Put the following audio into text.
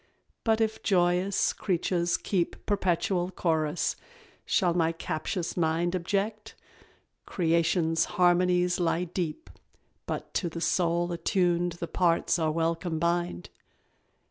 But if joyous creatures keep Perpetual chorus, shall my captious mind Object? Creation's harmonies lie deep, But to the soul attuned the parts are well combined.